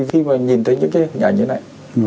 khi mà nhìn thấy những cái hình ảnh như này